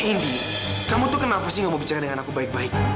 indy kamu tuh kenapa sih gak mau bicara dengan aku baik baik